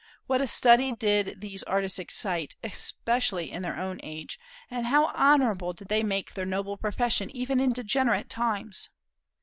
What a study did these artists excite, especially in their own age, and how honorable did they make their noble profession even in degenerate times!